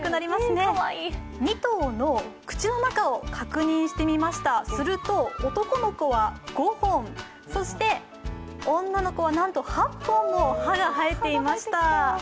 ２頭の口の中を確認してみました、すると男の子は５本、そして、女の子はなんと８本も歯が生えていました。